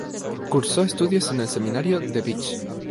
Cursó estudios en el seminario de Vich.